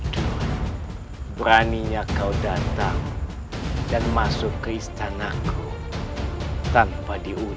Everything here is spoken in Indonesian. terima kasih gusti prabu